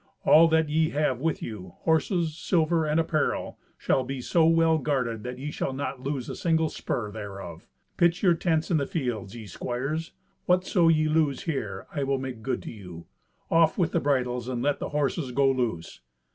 All that ye have with you, horses, silver and apparel, shall be so well guarded that ye shall not lose a single spur thereof. Pitch your tents in the fields, ye squires. Whatso ye lose here I will make good to you. Off with the bridles, and let the horses go loose."